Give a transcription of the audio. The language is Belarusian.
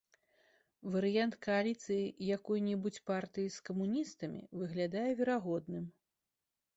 Варыянт кааліцыі якой-небудзь партыі з камуністамі выглядае верагодным.